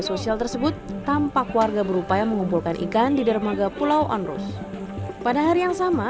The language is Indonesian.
sosial tersebut tampak warga berupaya mengumpulkan ikan di dermaga pulau onrus pada hari yang sama